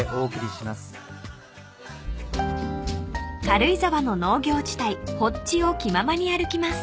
［軽井沢の農業地帯発地を気ままに歩きます］